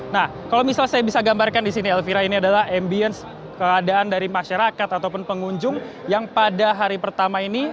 nah kalau misalnya saya bisa gambarkan di sini elvira ini adalah ambience keadaan dari masyarakat ataupun pengunjung yang pada hari pertama ini